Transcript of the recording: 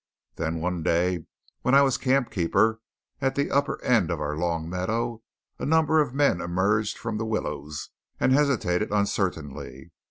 Then one day when I was camp keeper, at the upper end of our long meadow, a number of men emerged from the willows and hesitated uncertainly.